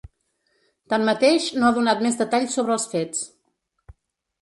Tanmateix, no ha donat més detalls sobre els fets.